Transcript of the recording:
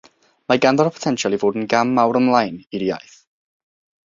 Mae ganddo'r potensial i fod yn gam mawr ymlaen i'r iaith.